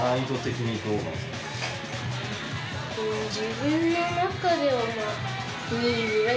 自分の中ではまぁ。